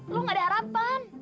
lo gak ada harapan